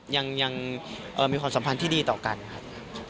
ยังมีความสัมพันธ์ที่ดีต่อกันครับ